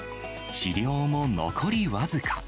治療も残り僅か。